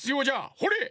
ほれ！